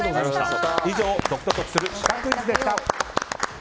以上知ると得するシカクイズでした。